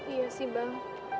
iya sih bang